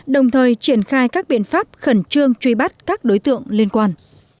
đồng thời triển khai các biện pháp khẩn trương truy bắt các đối tượng liên quan